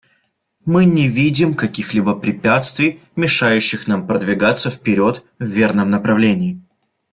Мы не видим каких-либо препятствий, мешающих нам продвигаться вперед в верном направлении.